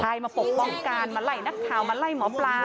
ใช่มาปกป้องกันมาไล่นักข่าวมาไล่หมอปลา